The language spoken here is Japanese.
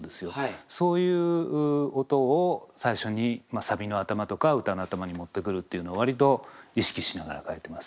そういう音を最初にサビの頭とか歌の頭に持ってくるっていうのを割と意識しながら書いてます。